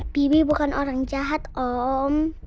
pibi bukan orang jahat om